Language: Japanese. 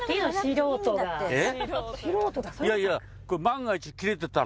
いやいや。